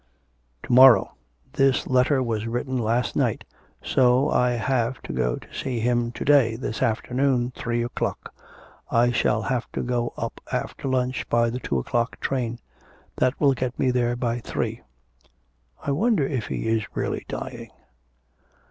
'To morrow. This letter was written last night, so I have to go to see him to day, this afternoon, three o'clock, I shall have to go up after lunch by the two o'clock train. That will get me there by three.... I wonder if he is really dying?